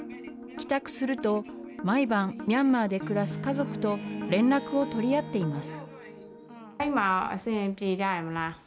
帰宅すると、毎晩、ミャンマーで暮らす家族と連絡を取り合っています。